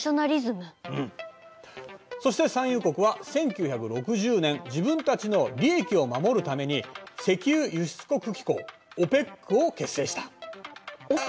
そして産油国は１９６０年自分たちの利益を守るために石油輸出国機構ＯＰＥＣを結成した。